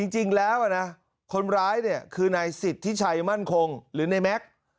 จริงแล้วนะคนร้ายเนี่ยคือนายสิทธิชัยมั่นคงหรือในแม็กซ์